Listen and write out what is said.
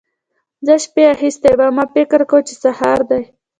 زه شپې اخيستی وم؛ ما فکر کاوو چې سهار دی.